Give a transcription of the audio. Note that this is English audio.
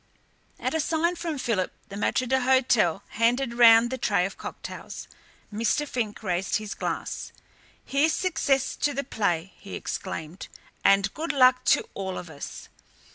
At a sign from Philip, the maître d'hôtel handed round the tray of cocktails. Mr. Fink raised his glass. "Here's success to the play," he exclaimed, "and good luck to all of us!"